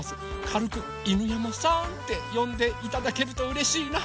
かるく「犬山さん」ってよんでいただけるとうれしいな。